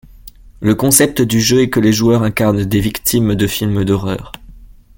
Le concept du jeu est que les joueurs incarnent des victimes de films d'horreur.